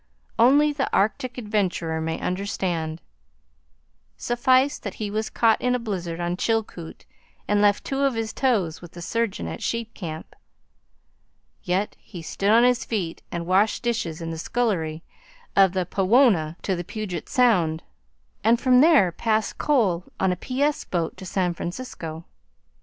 Only the Arctic adventurer may understand. Suffice that he was caught in a blizzard on Chilkoot and left two of his toes with the surgeon at Sheep Camp. Yet he stood on his feet and washed dishes in the scullery of the PAWONA to the Puget Sound, and from there passed coal on a P. S. boat to San Francisco.